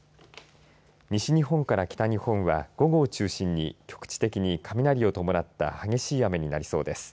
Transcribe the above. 西日本から北日本は午後を中心に局地的に雷を伴った激しい雨になりそうです。